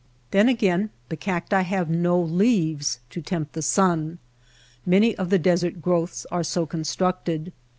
Then again the cacti have no leaves to tempt the sun. Many of the desert growths are so constructed.